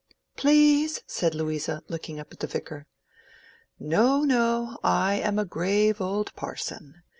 "Please," said Louisa, looking up at the Vicar. "No, no, I am a grave old parson.